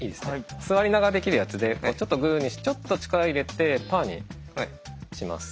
座りながらできるやつでちょっとグーにしてちょっと力入れてパーにします。